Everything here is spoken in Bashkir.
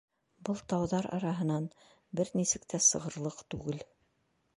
Был тауҙар араһынан бер нисек тә сығырлыҡ түгел.